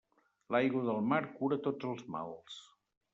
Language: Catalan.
L'aigua del mar cura tots els mals.